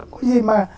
có gì mà